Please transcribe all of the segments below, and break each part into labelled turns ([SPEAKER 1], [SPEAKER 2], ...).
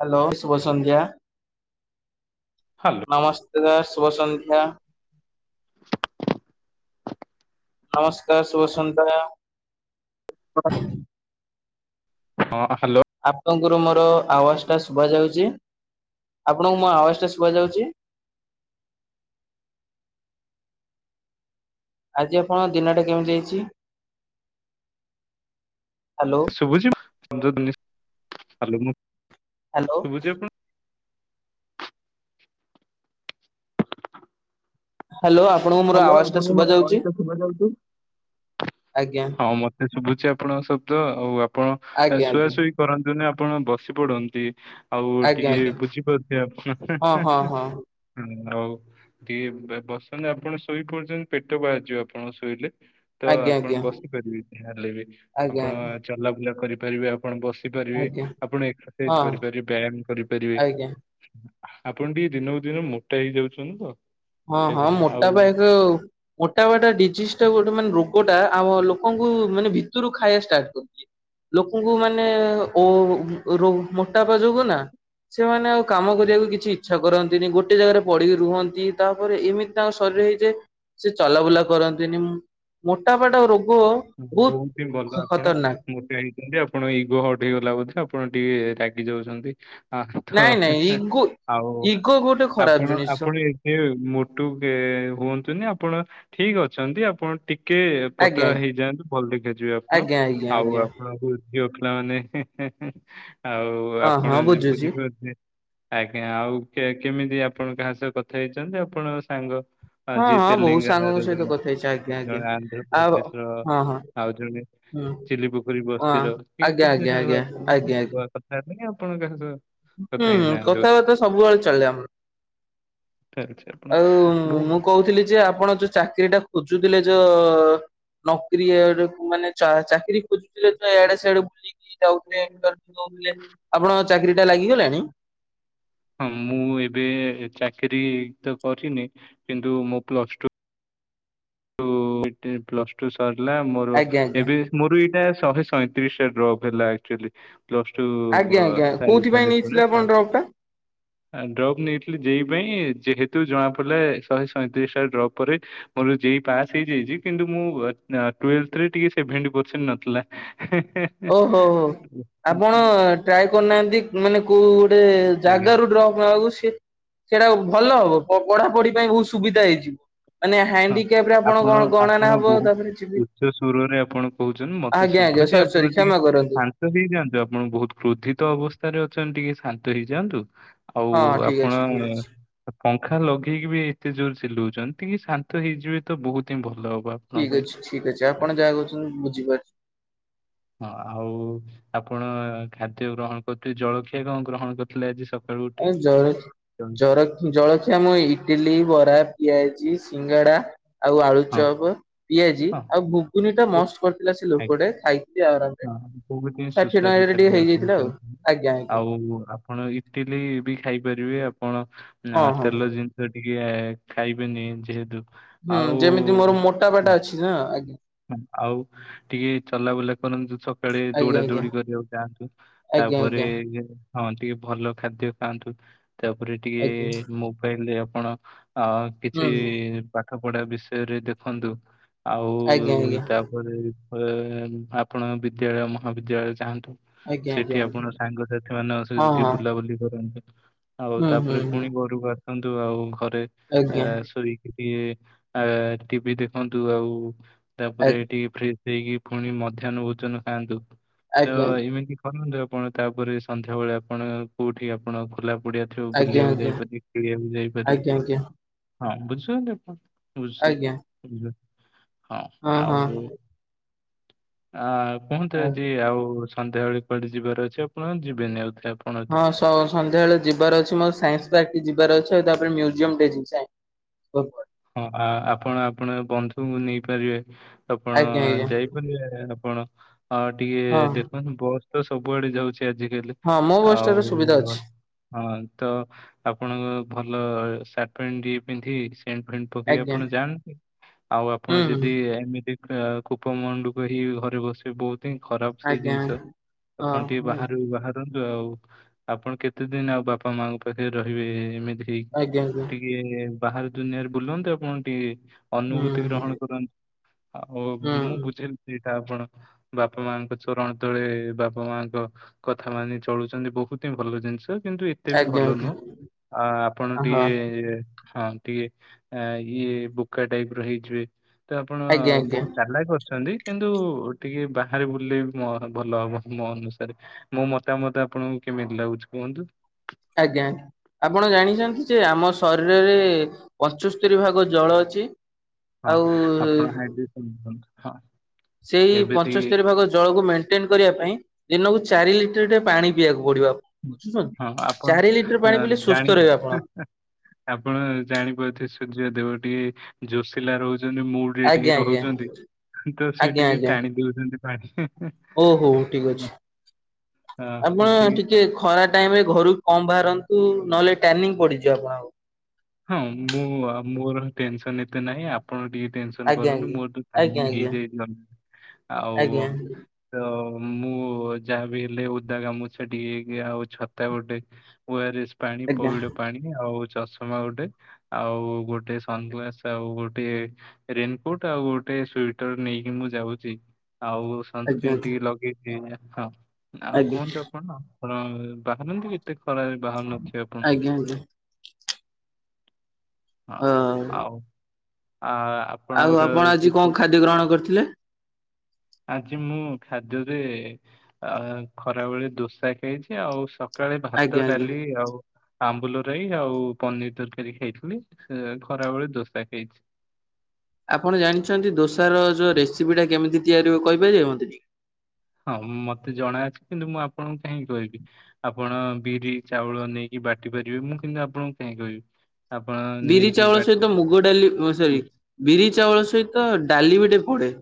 [SPEAKER 1] Hello ଶୁଭ ସନ୍ଧ୍ୟା!
[SPEAKER 2] Hello
[SPEAKER 1] ନମସ୍ ଶୁଭ ସନ୍ଧ୍ୟା। ନମସ୍କାର ଶୁଭ ସନ୍ଧ୍ୟା।
[SPEAKER 2] ହଁ ହା
[SPEAKER 1] ଆପଣଙ୍କୁରୁ ମୋରୋ ଆବାଜ ଟା ଶୁବା ଯାଉଚି। ଆପଣଙ୍କୁ ମୋ ଆବାଜ ଟା ଶୁବା ଯାଉଚି।
[SPEAKER 2] [inaudible]
[SPEAKER 1] ଆଜି ଆପଣଙ୍କ ଦିନ ଟା କେମିତି ଯାଇଛି। ହ୍ୟାଲୋ
[SPEAKER 2] ସୁବୁଚି। [unintelligible]
[SPEAKER 1] ହାଲୋ। ହ୍ୟାଲୋ ଆପଣଙ୍କୁ ମୋର
[SPEAKER 2] ହାଲୋ
[SPEAKER 1] ଆୱାଜ ଟା
[SPEAKER 2] ଆପଣଙ୍କୁ
[SPEAKER 1] ଶୁଭା
[SPEAKER 2] ମୋରୋ
[SPEAKER 1] ଯାଉଛି?
[SPEAKER 2] ଆବାଜ ଟା ଶୁବା ଯାଉଚି।
[SPEAKER 1] ଆଜ୍ଞା
[SPEAKER 2] ହଁ ମତେ ଶୁବୁଛି ଆପଣଙ୍କ ଶବ୍ଦ ଆଉ ଆପଣ ଏ
[SPEAKER 1] ଆଜ୍ଞା
[SPEAKER 2] ଶୁଆ
[SPEAKER 1] ଆଜ୍ଞା
[SPEAKER 2] ଶୁଇ କରନ୍ତୁନି ଆ ଆପଣ ବସି ପଡନ୍ତି। ଆଉ
[SPEAKER 1] ଆଜ୍ଞା
[SPEAKER 2] ଟିକେ
[SPEAKER 1] ଆଜ୍ଞା
[SPEAKER 2] ବୁଝି ପାରୁଥିବେ ଆପଣ ହେଁ
[SPEAKER 1] ହଁ
[SPEAKER 2] ହେଁ
[SPEAKER 1] ହଁ ହଁ
[SPEAKER 2] ହେଁ। ଆଉ ଟିକେ ବେ ବସନ୍ତୁ ଆପଣ ଶୋଇ ପଡୁଚନ୍ତି ପେଟ ବାହାରିଯିବ ଆପଣଙ୍କର ଶୋଇଲେ। ତ
[SPEAKER 1] ଆଜ୍ଞା
[SPEAKER 2] ଆପଣ
[SPEAKER 1] ଆଜ୍ଞା
[SPEAKER 2] ବସିପାରିବେ ଯାହା ହେଲେ ବି
[SPEAKER 1] ଆଜ୍ଞା
[SPEAKER 2] ଆପଣ ଚଲାବୁଲା କରିପାରିବେ ଆ ଆପଣ ବସିପାରିବେ
[SPEAKER 1] ଆଜ୍ଞା ଆଜ୍ଞା
[SPEAKER 2] ଆପଣ
[SPEAKER 1] ହଁ
[SPEAKER 2] ଏକ୍ସରସାଇଜ କରିପାରିବେ ବ୍ୟାୟାମ କରିପାରିବେ।
[SPEAKER 1] ଆଜ୍ଞା।
[SPEAKER 2] ଆପଣ ଟିକେ ଦିନକୁ ଦିନ ମୋଟା ହେଇଯାଉଛନ୍ତି ତ।
[SPEAKER 1] ହଁ ହଁ
[SPEAKER 2] ଆଜ୍ଞା ଆଉ
[SPEAKER 1] ମୋଟା ପାଇଁ ତ ମୋଟା ହବାଟା ଡିଜିଜ୍ ଟା ଗୋଟେ ମାନେ ରୋ ଗୋଟା ଆମ ଲୋକୋଙ୍କୁ ମାନେ ଭିତୁରୁ ଖାଇବା ଷ୍ଟାର୍ଟ କରୁଚି। ଲୋକୋଙ୍କୁ ମାନେ ଓ ରୋ ମୋଟାପା ଯୋଗୁ ନା ସେମାନେ ଆଉ କାମ କରିବାକୁ କିଛି ଇଚ୍ଛା କରନ୍ତିନି ଗୋଟେ ଜାଗାରେ ପଢିକି ରୁହନ୍ତି। ତାପରେ ଏମିତି ତାଙ୍କ ଶରୀର ହେଇଯାଏ ସେ ଚଲାବୁଲା କରନ୍ତିନି ମୁଁ ପୋଟାପା ଟା ରୋଗୋ
[SPEAKER 2] ବୋହୁତ ହିଁ ଭଲ ଆପଣ ମୋଟା ହେଇଛନ୍ତି ଆପଣ ଇଗୋ ହଟ୍ ହେଇଗଲା ବୋଧେ ଆପଣ ଟିକେ ରା ରାଗି ଯାଉଛନ୍ତି ଆଉ ତ
[SPEAKER 1] ନାଇଁ
[SPEAKER 2] ହେଁ
[SPEAKER 1] ନାଇଁ
[SPEAKER 2] ହେଁ
[SPEAKER 1] ଇଗୋ
[SPEAKER 2] ଆଉ
[SPEAKER 1] ଇଗୋ ଗୋଟେ ଖରାପ
[SPEAKER 2] ଆପଣ
[SPEAKER 1] ଜିନିଷ
[SPEAKER 2] ଆପଣ ଏବେ ମୋଟୁ କେ ହୁଅନ୍ତୁନି ଆପଣ ଠିକ୍ ଅଛନ୍ତି ଆପଣ ଟି କେ
[SPEAKER 1] ଆଜ୍ଞା
[SPEAKER 2] ପତଳା ହେଇଯାଆନ୍ତୁ ଭଲ ଦେଖା ଯିବେ ଆପଣ
[SPEAKER 1] ଆଜ୍ଞା ଆଜ୍ଞା
[SPEAKER 2] ଆଉ
[SPEAKER 1] ଆଜ୍ଞା ଆଜ୍ଞା
[SPEAKER 2] ଆପଣଙ୍କୁ ଝିଅପିଲା ହେଁ ହେଁ ହେଁ ଆଉ
[SPEAKER 1] ହଁ
[SPEAKER 2] ଆପଣ
[SPEAKER 1] ହଁ
[SPEAKER 2] ଜୀ
[SPEAKER 1] ବୁଝୁଛି।
[SPEAKER 2] ବୁଝିପାରୁଥିବେ। ଆଜ୍ଞା ଆଉ କେ କେମିତି ଆପଣ କାହା ସହ କଥା ହେଇଚନ୍ତି ଆପଣ ସାଙ୍ଗ
[SPEAKER 1] ହଁ
[SPEAKER 2] ଆଜି
[SPEAKER 1] ହଁ ବହୁତ ସାଙ୍ଗଙ୍କ
[SPEAKER 2] ତେଲେଙ୍ଗାନାର
[SPEAKER 1] ସହିତ କଥା ହେଇଛି ଆଜ୍ଞା
[SPEAKER 2] ଜଣେ
[SPEAKER 1] ଆଜ୍ଞା
[SPEAKER 2] ଜଣେ
[SPEAKER 1] ଆଉ
[SPEAKER 2] ଆନ୍ଧ୍ରପ୍ରଦେଶର
[SPEAKER 1] ହଁ ହଁ
[SPEAKER 2] ଆଉ ଜଣେ
[SPEAKER 1] ହୁଁ
[SPEAKER 2] ଚିଲିପୋଖରୀ
[SPEAKER 1] ହଁ
[SPEAKER 2] ବସ୍ତି
[SPEAKER 1] ଆଜ୍ଞା
[SPEAKER 2] [unintelligible]
[SPEAKER 1] ଆଜ୍ଞା ଆଜ୍ଞା
[SPEAKER 2] [unintelligible] କଥା ହେବେନି ଆପଣ କାହା ସହ କଥା
[SPEAKER 1] ଉଁହୁଁ
[SPEAKER 2] ହେଇନାହାନ୍ତି ବୋଧେ
[SPEAKER 1] କଥାବାର୍ତ୍ତା ସବୁବେଳେ ଚାଲେ ଆମର।
[SPEAKER 2] ଆଚ୍ଛା ଆପଣ
[SPEAKER 1] ଆଉ ମୁଁ
[SPEAKER 2] ବହୁତ
[SPEAKER 1] କୋହୁଥିଲି ଯେ ଆପଣ ଯୋଉ ଚାକିରିଟା ଖୋଜୁଥିଲେ ଜ ନକ୍ରି ଆଡକୁ ମାନେ ଚା ଚାକିରି ଖୋଜୁ ସିଲେକ୍ଟ ପାଇଁ ୟାଡେ ସ୍ୟାଡେ ବୁଲିକି ଯାଉଚେ [unintelligible] ଆପଣ ଚାକିରୀ ଲାଗିଗଲାଣି।
[SPEAKER 2] ହଁ ମୁଁ ଏବେ ଚାକିରୀ ତ କରିନି କିନ୍ତୁ ମୋ ପ୍ଲସ ଟୁ ଆଉ ଏଟା ପ୍ଲସ୍ ଟୁ ସରିଲା ମୋରୋ
[SPEAKER 1] ଆଜ୍ଞା ଆଜ୍ଞା
[SPEAKER 2] ଏବେ ମୋରୋ ଏଇଡା ଶହେ ସଇଁତିରିଶ୍ ଟା ଡ୍ରପ୍ ହେଲା ଆକ୍ଚୋଲି। ପ୍ଲସ ଟୁ
[SPEAKER 1] ଆଜ୍ଞା
[SPEAKER 2] ବ
[SPEAKER 1] ଆଜ୍ଞା
[SPEAKER 2] ସାରି
[SPEAKER 1] କୋଉଥିପାଇଁ
[SPEAKER 2] ସାରିବା
[SPEAKER 1] ନେଇଥିଲେ
[SPEAKER 2] ପରେ
[SPEAKER 1] ଆପଣ
[SPEAKER 2] ହଁ
[SPEAKER 1] ଡ୍ରପ୍ ଟା?
[SPEAKER 2] ଆଁ ଡ୍ରପ୍ ନେଇ ଥିଲି ଯେଇ ପାଇଁ ଯେହେତୁ ଜଣା ପଡ଼ିଲା ଶହେ ସଇଁତିରିଶ ଟା ଡ୍ରପ ପରେ ମୋରୋ ଯେଇ ପାସ୍ ହେଇଯାଇଚି କିନ୍ତୁ ମୁଁ ଆଁ ଟୁଏଲ୍ଥ ଟିକେ ସେଭେଣ୍ଟି ପର୍ସେଣ୍ଟେ ନଥିଲା।
[SPEAKER 1] ଓହୋ ହୋ ଆପଣ ଟ୍ରାଏ କରିନାହାନ୍ତି ମାନେ କୋଉ ଗୋଟେ
[SPEAKER 2] ଆଜ୍ଞା।
[SPEAKER 1] ଜାଗାରୁ ଡ୍ରପ୍ ନବାକୁ ସେଟା କୁ ଭଲ ହବ ପ ପଢାପଢି ପାଇଁ ବୋହୁତ ସୁବିଧା ହେଇଚି। ମାନେ
[SPEAKER 2] ହଁ
[SPEAKER 1] ହାଣ୍ଡିକ୍ୟାପ ରେ ଆପଣ ଗଣ ଗଣନା
[SPEAKER 2] ଆପଣ
[SPEAKER 1] ହବ
[SPEAKER 2] ବହୁତ
[SPEAKER 1] ତାପରେ ଯିବେ
[SPEAKER 2] ଉଚ୍ଚ ସୁରରେ
[SPEAKER 1] ଆ ଜ୍ଞା ଆଜ୍ଞା ସରି ସରି
[SPEAKER 2] ଟି
[SPEAKER 1] କ୍ଷମା କରନ୍ତୁ।
[SPEAKER 2] ଶାନ୍ତ ହେଇଯାଆନ୍ତୁ ଆପଣ ବୋହୁତ କ୍ରୋଧିତ ଅବସ୍ଥାରେ ଅଛନ୍ତି ଟିକେ ଶାନ୍ତ ହେଇଯାଆନ୍ତୁ। ଆଉ
[SPEAKER 1] ହଁ ହଁ ଠିକ
[SPEAKER 2] ଆପଣ
[SPEAKER 1] ଅଛି ଠିକ ଅଛି
[SPEAKER 2] ପଙ୍ଖା ଲଗେଇକି ବି ଏତେ ଜୋର ଚିଲୋଉଚନ୍ତି ଟିକେ ଶା କାନ୍ତ ହେଇଯିବେ ତ ବହୁତ ହିଁ ଭଲ ହବ। ଆପଣଙ୍କ
[SPEAKER 1] ଠିକ
[SPEAKER 2] ପାଇଁ
[SPEAKER 1] ଅଛି ଠିକ ଅଛି ଆପଣ ଯାହା କହୁଛନ୍ତି ବୁଝିପାରୁଛି।
[SPEAKER 2] ହଁ ଆଉ। ଆପଣ ଖାଦ୍ୟ ଗ୍ରହଣ କରୁଥିବେ, ଜଳଖିଆ କଣ ଗ୍ରହଣ କରିଥିଲେ? ଆଜି ସ
[SPEAKER 1] ଆ ଜଳ ଜର ଜଳଖିଆ ମୁଁ ଇଟିଲି, ବରା ଖିଆ ହେଇଛି। ସିଙ୍ଗଡ଼ା ଆଉ
[SPEAKER 2] ହଁ
[SPEAKER 1] ଆଳୁଚପ, ପିଆଜି
[SPEAKER 2] ହଁ
[SPEAKER 1] ଆଉ ଘୁଗୁନି ଟା
[SPEAKER 2] ଓ
[SPEAKER 1] ମସ୍ତ କରିଥିଲା ସେ
[SPEAKER 2] ଆଜ୍ଞା।
[SPEAKER 1] ଲୋକ ଟେ। ଖାଇକିରି ଆଉ ଆର
[SPEAKER 2] ହଁ ମୋ ବାଗିଆ ସୁସ୍ୱାଦୁ ଖାଦ୍ୟ ଆପଣ
[SPEAKER 1] ଆଉ
[SPEAKER 2] ଖାଉଛନ୍ତି।
[SPEAKER 1] ଆଜ୍ଞା ଆଜ୍ଞା
[SPEAKER 2] ଆଉ ଆପଣ ଇଟିଲି ବି ଖାଇପାରିବେ, ଆପଣ
[SPEAKER 1] ହଁ ହଁ।
[SPEAKER 2] ତେଲ ଜିନିଷ ଟିକେ ଖାଇବେନି। ଯେହେତୁ
[SPEAKER 1] ହୁଁ ଯେମିତି ମୋର ମୋଟା
[SPEAKER 2] ଆଉ
[SPEAKER 1] ହବାଟା ଅଛି ନା ଆଜ୍ଞା।
[SPEAKER 2] ଆଉ ଟିକେ ଚଲାବୁଲା କରନ୍ତୁ, ସକାଳେ
[SPEAKER 1] ଆଜ୍ଞା
[SPEAKER 2] ଦୌଡା
[SPEAKER 1] ଆଜ୍ଞା
[SPEAKER 2] ଦୌଡି କରିବାକୁ ଯାଆନ୍ତୁ। ତା
[SPEAKER 1] ଆଜ୍ଞା
[SPEAKER 2] ପରେ
[SPEAKER 1] ଆଜ୍ଞା।
[SPEAKER 2] ହଁ ଟିକେ ଭଲ ଖାଦ୍ୟ ଖାଆନ୍ତୁ, ତାପରେ ଟିକେ
[SPEAKER 1] ଆଜ୍ଞା
[SPEAKER 2] ମୋବାଇଲରେ ଆପଣ ଅ କିଛି
[SPEAKER 1] ହୁଁ ହୁଁ
[SPEAKER 2] ପାଠ ପଢା ବିଷୟରେ ଦେଖନ୍ତୁ। ଆଉ
[SPEAKER 1] ଆଜ୍ଞା
[SPEAKER 2] ଆଉ ତାପରେ ପ ଆପଣ ବିଦ୍ୟାଳୟ ମହାବିଦ୍ୟାଳୟ ଯାଆ ନ୍ତୁ,
[SPEAKER 1] ଆଜ୍ଞା ଆଜ୍ଞା ଆଜ୍ଞା
[SPEAKER 2] ସେଠି
[SPEAKER 1] ଆଜ୍ଞା
[SPEAKER 2] ଆପଣ ସାଙ୍ଗସାଥି ମାନେ
[SPEAKER 1] ହଁ
[SPEAKER 2] ଯଦି
[SPEAKER 1] ହଁ
[SPEAKER 2] ବୁଲାବୁଲି କରନ୍ତୁ। ଆଉ
[SPEAKER 1] ହୁଁ ହୁଁ
[SPEAKER 2] ତାପରେ ପୁଣି
[SPEAKER 1] ହୁଁ
[SPEAKER 2] ଘରୁକୁ ଆସନ୍ତୁ। ଆଉ ଘରେ
[SPEAKER 1] ଆଜ୍ଞା
[SPEAKER 2] ଶୋଇକି ଟିକେ ଆ ଟିଭି ଦେଖନ୍ତୁ, ଆଉ ତାପରେ ଟିକେ ଫ୍ରି ହେଇକି ପୁଣି ମଧ୍ୟାହ୍ନ ଭୋଜନ ଖାଆନ୍ତୁ। ତ
[SPEAKER 1] ଆଜ୍ଞା
[SPEAKER 2] ଏମିତି କରନ୍ତୁ। ଆପଣ ତାପରେ ସନ୍ଧ୍ୟାବେଳେ ଆପଣ କୋଉଠି ଆପଣ ଖୋଲା ଗଡିଆ ଥିବ
[SPEAKER 1] ଆଜ୍ଞା ଆଜ୍ଞା ଆଜ୍ଞା
[SPEAKER 2] ବୁଲିବାକୁ ଯାଇପାରିବେ, କିଣିବାକୁ ଯାଇପାରିବେ,
[SPEAKER 1] ଆଜ୍ଞା ଆଜ୍ଞା
[SPEAKER 2] ହଁ ବୁଝଛନ୍ତି ଆପଣ? ବୁଝଛନ୍ତି
[SPEAKER 1] ଆଜ୍ଞା
[SPEAKER 2] ବୁଝ ହଁ ଆଉ। ଆ କୁହନ୍ତୁ
[SPEAKER 1] ଆ
[SPEAKER 2] ଆଜି ଆଉ। ସନ୍ଧ୍ୟାବେଳେ କୁଆଡେ ଯିବାର ଅଛି ଆପଣଙ୍କର? ଯିବେନି ଆଉଥରେ ଆପ
[SPEAKER 1] ହଁ ସ ସନ୍ଧ୍ୟା ବେଳେ ଯିବାର ଅଛି, ମୋର ସାଇନ୍ସ ପାର୍କ ଯିବାର ଅଛି। ତାପରେ ମ୍ୟୁଜିଅମ ଟିକେ ଯିବି।
[SPEAKER 2] ହଁ ଆ ଆପଣ ଆପଣ ବନ୍ଧୁଙ୍କୁ ନେଇପାରିବେ, ଆପଣ
[SPEAKER 1] ଆଜ୍ଞା ଆଜ୍ଞା
[SPEAKER 2] ଯାଇପାରିବେ। ଆପଣ ଆ ଟିକେ
[SPEAKER 1] ହଁ
[SPEAKER 2] ଦେଖନ୍ତୁ, ବସ୍ ତ ସବୁଆଡେ ଯାଉଛି। ଆଜି କାଲି
[SPEAKER 1] ହଁ ମୋ ବସଟାର ସୁବିଧା
[SPEAKER 2] ଆଉ।
[SPEAKER 1] ଅଛି
[SPEAKER 2] ହଁ ତ ଆପଣଙ୍କ ଭଲ ସା ପ୍ୟାଣ୍ଟ ଟିକେ ପିନ୍ଧି ସେଣ୍ଟ ଫେଣ୍ଟ ପକେଇ
[SPEAKER 1] ଆଜ୍ଞା
[SPEAKER 2] ଆପଣ ଯାଆନ୍ତୁ। ଆଉ ଆପଣ
[SPEAKER 1] ହୁଁ
[SPEAKER 2] ଯଦି
[SPEAKER 1] ହୁଁ
[SPEAKER 2] ଏମିତି କୂପମଣ୍ଡୁକ ହେଇ ଘରେ ବସିବେ, ବହୁତ ସେଥି ପାଇଁ ଖରାପ ସେଇ
[SPEAKER 1] ଆଜ୍ଞା
[SPEAKER 2] ଜିନିଷ, ଆପଣ
[SPEAKER 1] ହଁ
[SPEAKER 2] ଟିକେ
[SPEAKER 1] ହଁ
[SPEAKER 2] ବାହାରୁ ବାହା କୁହନ୍ତୁ ଆଉ ଆପଣ କେତେ ଦିନ ଆଉ ବାପା ମାଙ୍କ ପାଖରେ ରହିବେ? ଏମିତି ହେଇକି,
[SPEAKER 1] ଆଜ୍ଞା ଆଜ୍ଞା
[SPEAKER 2] ଟିକେ ବାହାର ଦୁନିଆରେ ବୁଲନ୍ତୁ ଆପଣ ଟିକେ।
[SPEAKER 1] ହୁଁ
[SPEAKER 2] ଅନୁଭୂତି
[SPEAKER 1] ହୁଁ
[SPEAKER 2] ଗ୍ରହଣ କର ଆଉ ମୁଁ
[SPEAKER 1] ହୁଁ
[SPEAKER 2] ବୁଝେଇଲିି ଟି। ଆପଣ ବାପା ମାଙ୍କ ଚରଣ ତଳେ, ବାପା ମାଙ୍କ କଥା ମାନି ଚଳୁଛନ୍ତି। ବହୁତ ହି ଭଲ ଜିନିଷ, କିନ୍ତୁ ଏତେ ବି
[SPEAKER 1] ଆଜ୍ଞା
[SPEAKER 2] ଭଲ
[SPEAKER 1] ଆଜ୍ଞା
[SPEAKER 2] ନୁହଁ। ଆ ଆପଣ
[SPEAKER 1] ହଁ
[SPEAKER 2] ଟିକେ ହଁ ଟିକେ ଅ ଇଏ ବୋକା ଟାଇପର ହେଇଯିବେ। ତ ଆପଣ
[SPEAKER 1] ଆଜ୍ଞା ଆଜ୍ଞା
[SPEAKER 2] ବହୁତ ଚାଲାକ ଅଛନ୍ତି। କିନ୍ତୁ ଟିକେ ବାହାରେ ବୁଲିଲେ ଭଲ ହବ, ମୋ ଅନୁସାରେ। ମୋ ମତାମତ ଆପଣଙ୍କୁ କେମିତି ଲାଗୁଛି କୁହନ୍ତୁ?
[SPEAKER 1] ଆଜ୍ଞା। ଆପଣ ଜାଣିଛନ୍ତି ଯେ, ଆମ ଶରୀରରେ ପଚସ୍ତରୀ ଭାଗ ଜଳ ଅଛି।
[SPEAKER 2] ହଁ
[SPEAKER 1] ଆଉ
[SPEAKER 2] ଆପଣ ଆଗେ କୁହନ୍ତୁ ହଁ।
[SPEAKER 1] ସେଇ
[SPEAKER 2] ଏବେ ଟିକେ
[SPEAKER 1] ପଚସ୍ତରୀ ଭାଗ ଜଳକୁ ମେଣ୍ଟେନ କରିବା ପାଇଁ, ଦିନକୁ ଚାରି ଲି ଟର ପାଣି ପିଇବାକୁ ପଡିବ। ଆପଣଙ୍କୁ ବୁଝୁଛନ୍ତି
[SPEAKER 2] ହଁ
[SPEAKER 1] ଚାରି ଲିଟର
[SPEAKER 2] ଆପଣ
[SPEAKER 1] ପାଣି ପିଇଲେ ସୁସ୍ଥ
[SPEAKER 2] ଜାଣି
[SPEAKER 1] ରହିବେ ଆପଣ।
[SPEAKER 2] ଆପଣ ଜାଣିପାରୁଥିବେ, ସୂର୍ଯ୍ୟ ଦେବ ଟିକେ ଜୋସିଲା ରହୁଛନ୍ତି ମୁଡରେ ଟିକେ
[SPEAKER 1] ଆଜ୍ଞା ଆଜ୍ଞା
[SPEAKER 2] ରହୁଛନ୍ତି, ତ ସେ
[SPEAKER 1] ଆଜ୍ଞା
[SPEAKER 2] ଟିକେ
[SPEAKER 1] ଆଜ୍ଞା
[SPEAKER 2] ଟାଣି ଦଉଛନ୍ତି। ଆହିଁ ହିଁ।
[SPEAKER 1] ଓ ହୋ ଠିକ ଅଛି ଆପଣ ଟିକେ ଖରା ଟାଇମ ରେ ଘରୁ କମ ବାହାରନ୍ତୁ ନହେଲେ ଟାନିଂ ପଡିଯିବ ଆପଣଙ୍କ।
[SPEAKER 2] ହଁ ମୁଁ ମୋର ହେ ଟେନସନ ଏତେ ନାହିଁ ଆପଣ ଟିକେ ଟେନ୍‌ସନ୍‌
[SPEAKER 1] ଆଜ୍ଞା
[SPEAKER 2] କରୁନି ମୋର ଯୋଉ
[SPEAKER 1] ଆଜ୍ଞା
[SPEAKER 2] ପ୍ଳାନିଙ୍ଗ
[SPEAKER 1] ଆଜ୍ଞା
[SPEAKER 2] ହେଇଯାଇଚି ଅନେ ଆଉ
[SPEAKER 1] ଆଜ୍ଞା
[SPEAKER 2] ତ ମୁଁ ଯାହାବି ହେଲେ ଓଦା ଗାମୁଚ୍ଛା ଟିଏ କି ଆଉ ଛତା ଗୋଟେ ଓରାଏସ୍ ପାଣି
[SPEAKER 1] ଆଜ୍ଞା ଆଜ୍ଞା
[SPEAKER 2] ପଇଡ ପାଣି ଆଉ ଚଷ୍ ଷମା ଗୋଟେ ଆଉ ଗୋଟେ ସନଗ୍ଲାସ ଆଉ ଗୋଟେ ରେନକୋଟ ଆଉ ଗୋଟେ ସୁ ସୁଇଟରନେଇକି ମୁଁ ଯାଉଛି। ଆଉ ସନସ୍କ୍ରିନ୍
[SPEAKER 1] ଆଜ୍ଞା
[SPEAKER 2] ଟିକେ ଲଗେଇଛି ହଁ
[SPEAKER 1] ଆଜ୍ଞା
[SPEAKER 2] ଆଉ
[SPEAKER 1] ଆଜ୍ଞା
[SPEAKER 2] କୁହନ୍ତୁ ଆପଣ ଆପଣ ବାହାରନ୍ତି କି ଏତେ ଖରା ବାହାରୁ ନ ଥିବେ ଆପଣ?
[SPEAKER 1] ଆଜ୍ଞା ଆଜ୍ଞା
[SPEAKER 2] ହଁ
[SPEAKER 1] ଅ
[SPEAKER 2] ଆଉ ଆ
[SPEAKER 1] ଆଉ
[SPEAKER 2] ଆପଣଙ୍କର
[SPEAKER 1] ଆପଣ ଆଜି
[SPEAKER 2] କିଛି
[SPEAKER 1] କଣ ଖାଦ୍ୟ ଗ୍ରହଣ କରିଥିଲେ?
[SPEAKER 2] ଆଜି ମୁଁ ଖାଦ୍ୟରେ ଆ ଖରାବେେଳେ ଦୋସା ଖାଇଛି ଆଉ ସ ସକାଳେ ଭାତ
[SPEAKER 1] ଆଜ୍ଞା ଆଜ୍ଞା।
[SPEAKER 2] ଡାଲି ଆଉ ଆମ୍ବୁଲ ରାଇ ଆଉ ପନିର ତରକାରୀ ଖାଇଥିଲି ଖରାବେଳେ ଦୋସା ଖାଇଛି। ହ [inaudible]
[SPEAKER 1] ଆପଣ ଜାଣିଛନ୍ତି ଦୋସାର ଯୋଉ ରେସିପି ଟା କେମିତି ତିଆରି ହୁଏ କହିପାରିବେ ମତେ ଟିକେ
[SPEAKER 2] ହଁ ମତେ ଜଣା ଅଛି କିନ୍ତୁ ମୁଁ ଆପଣଙ୍କୁ କାହିଁକି କହିବି ଆପଣ ବିରି ଚାଉଳ ନେଇକି ବାଟି ପାରିବେ ମୁଁ କିନ୍ତୁ ଆପଣଙ୍କୁ କାହିଁ କହିବି ଆପଣ
[SPEAKER 1] ବିରି
[SPEAKER 2] ନେଇକି
[SPEAKER 1] ଚାଉଳ
[SPEAKER 2] ବାଟି
[SPEAKER 1] ସହିତ ମୁଗ ଡାଲି ସରି ବିରି ଚାଉଳ ସହିତ ତାଲି ବି ଟିକେ ପଡେ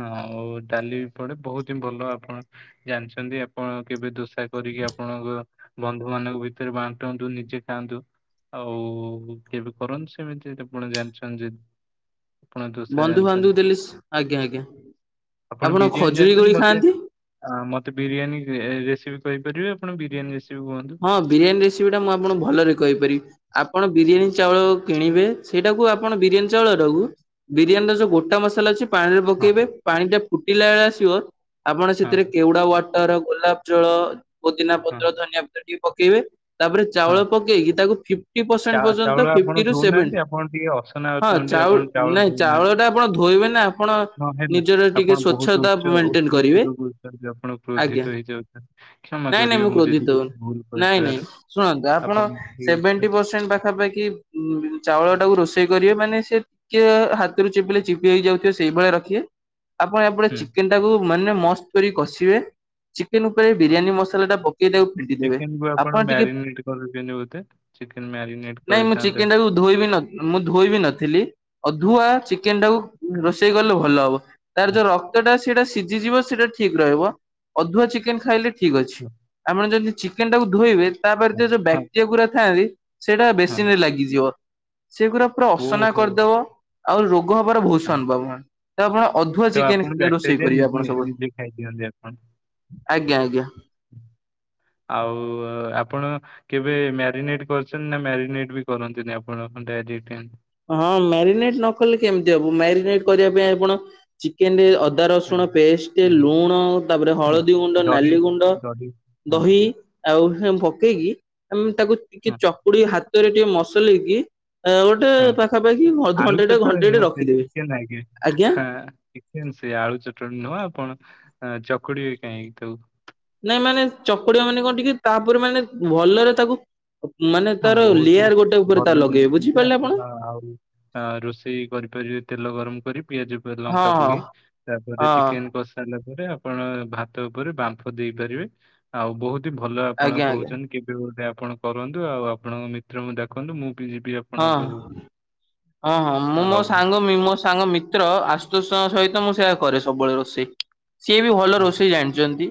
[SPEAKER 2] ହଁ ଆଉ ଡାଲି ବି ପଡେ ବହୁତ ହିଁ ଭଲ ଆପଣ ଜାଣିଛନ୍ତି ଆପଣ କେବେ ଦୋଷ ଆ କରିକି ଆପଣଙ୍କ ବନ୍ଧୁ ମାନଙ୍କ ଭିତରେ ବାଣ୍ଟନ୍ତୁ ନିଜେ ଖାଆନ୍ତୁ ଆଉ କେବେ କରନ୍ତି ସେମିତି ଯଦି ଆପଣ ଜାଣିଛନ୍ତି ଜଦି ଦୋସା
[SPEAKER 1] ବନ୍ଧୁ ବାନ୍ଧବକୁ ଦେଲେ ଆଜ୍ଞା ଆଜ୍ଞା
[SPEAKER 2] ଆପଣ ବିରିୟାନୀ
[SPEAKER 1] ଖଜୁରୀ
[SPEAKER 2] ଜାଣିଛନ୍ତି
[SPEAKER 1] କୋଳି
[SPEAKER 2] ମତେ
[SPEAKER 1] ଖାଆନ୍ତି?
[SPEAKER 2] ମତେ ବିରିୟାନୀ ରେସିପି କହିପାରିବେ ଆପଣ ବିରିୟାନୀ ରେସିପ୍
[SPEAKER 1] ହଁ ବିରିୟାନୀ ରେସିପି ଟା ମୁଁ ଆପଣଙ୍କୁ ଭଲରେ କହିପାରିବି ଆପଣ ବିରିୟାନୀ ଚାଉଳ କିଣିବେ ସେଇଟାକୁ ଆପଣ ବିରିୟାନୀ ଚାଉଳଟାକୁ ବିରିୟାନୀର ଯୋଉ ଗୋଟା ମସଲା ଅଛି ପାଣିରେ
[SPEAKER 2] ହଁ
[SPEAKER 1] ପକେଇବେ ପାଣି ଟା ଫୁଟିଲା ବେଳେ ଆସିବ ଆପଣ
[SPEAKER 2] ହଁ
[SPEAKER 1] ସେଥିରେ କେଉଡା ୱାଟର ଗୋଲାପ ଜଳ ପୋଦିନା
[SPEAKER 2] ହଁ
[SPEAKER 1] ପତ୍ର ଧନିଆ ପତ୍ର ଟିକେ ପକେଇବେ ତାପରେ ଚାଉଳ
[SPEAKER 2] ହଁ
[SPEAKER 1] ପକେଇକି ତାକୁ ଫିଫ୍ଟ
[SPEAKER 2] ଚା
[SPEAKER 1] ପ୍ରସେଣ୍ଟ
[SPEAKER 2] ଚାଉଳ
[SPEAKER 1] ପର୍ଯ୍ୟନ୍ତ ଫି
[SPEAKER 2] ଆପଣ
[SPEAKER 1] ଫିପ୍ଟିରୁ
[SPEAKER 2] ଧଉନାହାନ୍ତି
[SPEAKER 1] ସେଭେଣ୍ଟି
[SPEAKER 2] ଆପଣ ଟିକେ ଅସନା
[SPEAKER 1] ହଁ
[SPEAKER 2] ବର୍ତ୍ତମାନ ଟିକେ
[SPEAKER 1] ଚାଉଳ
[SPEAKER 2] ଆପଣ
[SPEAKER 1] ନାଇଁ
[SPEAKER 2] ଧଉନାହାନ୍ତି।
[SPEAKER 1] ଚାଉଳ ଟା ଆପଣ ଧୋଇବେନି ଆପଣ
[SPEAKER 2] ହଁ ହେଲା
[SPEAKER 1] ନିଜର ଟିକେ
[SPEAKER 2] ଆପଣ ବହୁତ
[SPEAKER 1] ସ୍ଵଚ୍ଛତା
[SPEAKER 2] ଉଚ୍ଚ
[SPEAKER 1] ମେଣ୍ଟେନ
[SPEAKER 2] ଉଚ୍ଚ
[SPEAKER 1] କରିବେ
[SPEAKER 2] ସ୍ତରକୁ ଉଠନ୍ତି ଆପଣ
[SPEAKER 1] ଆଜ୍ଞା
[SPEAKER 2] କ୍ରୋଧିତ ହେଇଯାଉଛନ୍ତି କ୍ଷମା
[SPEAKER 1] ନାଇଁ ନାଇଁ
[SPEAKER 2] କରିବେ
[SPEAKER 1] ମୁଁ
[SPEAKER 2] ଯଦି
[SPEAKER 1] କ୍ରୋଧିତ
[SPEAKER 2] କିଛି
[SPEAKER 1] ହଉନି
[SPEAKER 2] ଭୁଲ
[SPEAKER 1] ନାଇଁ ନାଇଁ
[SPEAKER 2] କହିଥିବାରୁ
[SPEAKER 1] ଶୁଣନ୍ତୁ ଆପଣ
[SPEAKER 2] ଏଇ ଉଚ୍ଚ
[SPEAKER 1] ସେଭେଣ୍ଟି ପରସେଣ୍ଟ ପାଖାପାଖି ଚାଉଳ ଟାକୁ ରୋଷେଇ କରିବେ ମାନେ ସେ ଟିକେ ହାତରୁ ଚିପିଲେ ଚିପି ହେଇ ଯାଉଥିବେ ସେଇଭଳିଆ ରଖିବେ। ଆପଣ ଏପଟେ
[SPEAKER 2] ହୁଁ
[SPEAKER 1] ଚିକେନ ଟାକୁ ମାନେ ମସ୍ତ କରି କଷିବେ। ଚିକେନ ଉପରେ ବିରିୟାନୀ ମସଲା ଟା ପକେଇ ତାକୁ ଫିଣ୍ଟିଦେବେ।
[SPEAKER 2] ମୁଁ କହିଲି, ଆପଣ ମ୍ୟାରିନିଟ କରନ୍ତିନି ବୋଧେ ଚିକେନ୍ ମ୍ୟାରିନେଟ
[SPEAKER 1] ନାଇଁ ମୁଁ
[SPEAKER 2] କରିଥାନ୍ତେ
[SPEAKER 1] ଚିକେନ
[SPEAKER 2] ଆପ
[SPEAKER 1] ଟାକୁ ଧୋଇ ବି ନ ମୁଁ ଧୋଇ ବି ନଥିଲି ଅଧୁଆ ଚିକେନଟାକୁ ରୋଷେଇ କଲେ ଭଲ ହବ
[SPEAKER 2] ହଁ
[SPEAKER 1] ତାରଯୋଉ ରକ୍ତଟା ସେଇଟା ସି ଜି ଯିବ ସେଟା ଠିକ ରହିବ ଅଧୁଆ ଚିକେନ ଖାଇଲେ ଠିକ୍ ଅଛି
[SPEAKER 2] ହଁ
[SPEAKER 1] ଆପଣ ଯଦି ଚିକେନ ଟାକୁ ଧୋଇବେ ତାପରେ ସେ ଯୋଉ ବକ୍ଟେରିଆ ଗୁଡା ଥାଆନ୍ତି ସେଇଟା
[SPEAKER 2] ହଁ
[SPEAKER 1] ବେସିନ ରେ ଲାଗିଯିବ। ସେଗୁରା ପୁରା ଅସନା
[SPEAKER 2] ଓହୋ
[SPEAKER 1] କରିଦବ ଆଉ ରୋଗ ହବାର ବହୁତୁ
[SPEAKER 2] ହଁ
[SPEAKER 1] ସମ୍ବାବନା ତ ଆପଣ ଅଧୁଆ
[SPEAKER 2] ତ ଆପଣ
[SPEAKER 1] ଚିକେନ ରୋଷେଇ
[SPEAKER 2] ବ୍ୟାକ୍ଟେରିଆ
[SPEAKER 1] କରିବେ
[SPEAKER 2] ନିଜେ
[SPEAKER 1] ଆପଣ
[SPEAKER 2] ନିଜେ ଖାଇଦିଅନ୍ତି
[SPEAKER 1] ସବୁବେଳେ। ଆଜ୍ଞା ଆଜ୍ଞା
[SPEAKER 2] ହୁଁ [inaudible] ଆଉ ଆପଣ କେବେ ମ୍ୟାରିନେଟ କରିଛନ୍ତି ନା ମ୍ୟାରିନେଟ ବି କରନ୍ତିନି ଆପଣ। ଡେ ଦିଟି ଆଣ୍ଡ୍
[SPEAKER 1] ହଁ ମ୍ୟାରିନେଟ ନକଲେ କେମିତି ହବ ମ୍ୟାରିନେଟ କରିବା ପାଇଁ ଆପଣ ଚିକେନ ଅ ଅଦା ରସୁଣ ପେଷ୍ଟ
[SPEAKER 2] ହୁଁ
[SPEAKER 1] ଲୁଣ ତାପରେ ହଳଦୀ ଗୁଣ୍ଡ
[SPEAKER 2] ଦହି
[SPEAKER 1] ନାଲି ଗୁଣ୍ଡ
[SPEAKER 2] ଦହି ହଁ
[SPEAKER 1] ଦହି ଆଉ ହେମ୍ ପକେଇକି ଆ ତାକୁ ଟିକେ
[SPEAKER 2] ହଁ
[SPEAKER 1] ଚକୁଡି ହାତରେ ଯୋଉ ମସଲେଇକି ଗୋଟେ
[SPEAKER 2] ହଁ
[SPEAKER 1] [unintelligible]
[SPEAKER 2] ଆଳୁ ଚଟଣୀ
[SPEAKER 1] ଘଣ୍ଟେଟେ
[SPEAKER 2] ନୁହଁ ସେ
[SPEAKER 1] ରଖିଦେବେ
[SPEAKER 2] ଚେନ ଆଜ୍ଞା, ହଁ ସେ ଆଳୁ ଚଟଣୀ ନୁହଁ ଆପଣ ଚକୁଡି ବି କାହିଁକି ତାକୁ
[SPEAKER 1] ନାଇଁ ମାନେ ଚକୁଡିଆ ମାନେ କଣ ଟିକେ ତାପରେ ମାନେ ଭଲରେ ତାକୁ ମାନେ
[SPEAKER 2] ହଁ
[SPEAKER 1] ତାର
[SPEAKER 2] ବହୁତ ହି
[SPEAKER 1] ଲେୟାର ଗୋଟେ ଉପରେ ତାର
[SPEAKER 2] ଭଲ
[SPEAKER 1] ଲଗେଇବେ
[SPEAKER 2] ଜାଣିଛନ୍ତି
[SPEAKER 1] ବୁଝିପାରିଲେ
[SPEAKER 2] ଆପଣ ଆଉ ରୋଷେଇ କରିପାରିବେ ଏତେ ତେଲ ଗରମ କରି ପିଆଜ
[SPEAKER 1] ହଁ
[SPEAKER 2] ଲଙ୍କା ପ
[SPEAKER 1] ହଁ
[SPEAKER 2] ତାପରେ ଚେ
[SPEAKER 1] ହଁ
[SPEAKER 2] କ ଆପଣ ଭାତ ଉପରେ ବାମ୍ଫ ଦେଇପାରିବେ ଆଉ ବହୁତ ଯି ଭଲ ଆପଣ
[SPEAKER 1] ଆଜ୍ଞା ଆଜ୍ଞା
[SPEAKER 2] କହୁଛନ୍ତି, କେବେ ବୋଧ ଆପଣ କରନ୍ତୁ, ଆଉ ଆପଣଙ୍କ ମିତ୍ରଙ୍କୁ ଦେଖନ୍ତୁ ମୁଁ ବି ଯିବି ଆପଣଙ୍କ
[SPEAKER 1] ହଁ
[SPEAKER 2] ପାଖକୁ
[SPEAKER 1] ହଁ ହଁ ମୁଁ ମୋ
[SPEAKER 2] ଆଉ
[SPEAKER 1] ସାଙ୍ଗ ମୋ ସାଙ୍ଗ ମିତ୍ର ଆସ୍ତୁଷ ସହିତ ମୁଁ ସେୟା କରେ ସବୁବେଳେ ରୋଷେଇ। ସିଏ ବି ଭଲ
[SPEAKER 2] ହଁ
[SPEAKER 1] ରୋଷେଇ ଜାଣିଛନ୍ତି,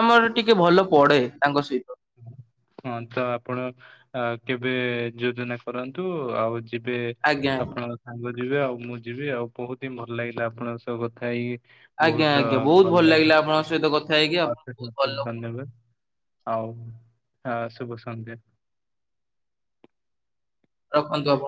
[SPEAKER 1] ଆମର ଟିକେ ଭଲ ପଢେ ତାଙ୍କ ସହିତ
[SPEAKER 2] ହଁ ତ ଆପଣ କେବେ ଯୋଜନା କରନ୍ତୁ, ଆଉ ଯିବେ
[SPEAKER 1] ଆଜ୍ଞା ଆଜ୍ଞା
[SPEAKER 2] ଆପଣଙ୍କ ସାଙ୍ଗ ଯିବେ, ଆଉ ମୁଁ ଯିବି ଆଉ ବହୁତ ହିଁ ଭଲ ଲାଗିଲା ଆପଣଙ୍କ ସହ କଥା ହେଇକି
[SPEAKER 1] ଆଜ୍ଞା ଆଜ୍ଞା ବହୁତ ଭଲ ଲାଗିଲା, ଆପଣଙ୍କ ସହିତ କଥା ହେଇକି ଆପଣ ବହୁତ ଭଲ
[SPEAKER 2] ନେବେ ଆଉ ହଁ ଶୁଭ ସନ୍ଧ୍ୟେ!
[SPEAKER 1] ରଖନ୍ତୁ ଆପଣ।